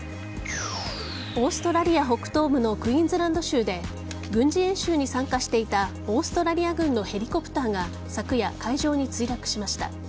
オーストラリア北東部のクイーンズランド州で軍事演習に参加していたオーストラリア軍のヘリコプターが昨夜、海上に墜落しました。